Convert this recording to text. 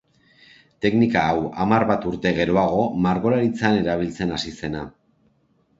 Teknika hau hamar bat urte geroago margolaritzan erabiltzen hasi zena.